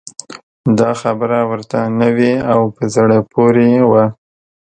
دا خبره ورته نوې او په زړه پورې وه.